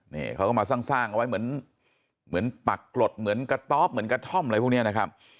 นี่เขาก็มาสร้างเอาไว้เหมือนปักกรดเหมือนกระต๊อบเหมือนกระท่อมอะไรพวกนี้นะครับ